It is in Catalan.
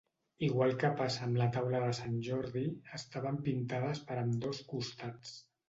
Igual que passa amb la taula de Sant Jordi, estaven pintades per ambdós costats.